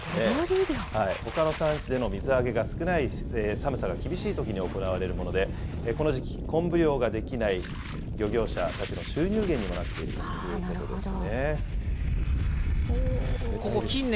ほかの産地での水揚げが少ない、寒さが厳しいときに行われるもので、この時期、昆布漁ができない漁業者たちの収入源にもなっているということですね。